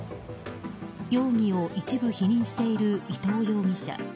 容疑を一部否認している伊東容疑者。